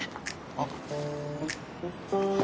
あっ。